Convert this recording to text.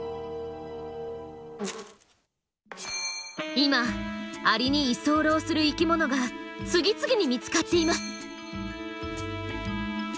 今アリに居候する生きものが次々に見つかっています。